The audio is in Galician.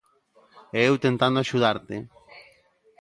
E eu tentando axudarte.